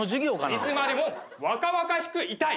いつまでも若々しくいたい。